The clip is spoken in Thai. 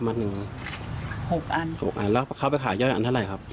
๑๒บาท